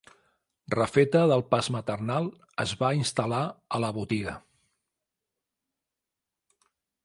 Refeta del pas maternal, es va instal·lar a la botiga